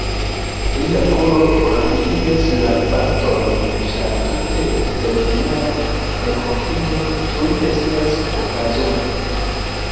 Lia koro rapidigas la batojn ĉar tute eksterordinara renkontiĝo tuj estas okazonta.